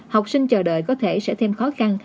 học sinh chờ đợi có thể sẽ thêm khó khăn